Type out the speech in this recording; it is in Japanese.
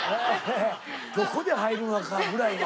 どこで入るのかぐらいは。